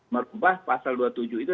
merubah pasal dua puluh tujuh itu